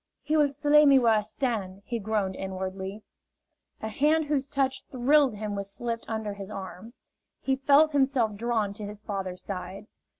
"He will slay me where I stand!" he groaned inwardly. A hand whose touch thrilled him was slipped under his arm. He felt himself drawn to his father's side.